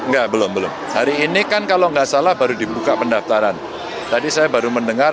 enggak belum belum hari ini kan kalau nggak salah baru dibuka pendaftaran tadi saya baru mendengar